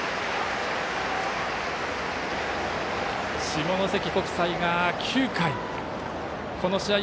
下関国際が９回この試合